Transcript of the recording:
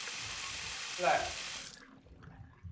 Slack.